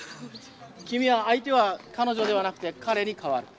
君は相手は彼女ではなくて彼に代わる。